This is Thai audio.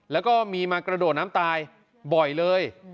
แล้วก็มีมากระโดดน้ำตายบ่อยเลย